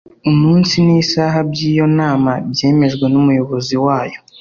Umunsi nisaha byiyo nama byemejwe numuyobozi wayo